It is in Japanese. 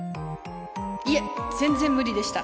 いえ全然無理でした。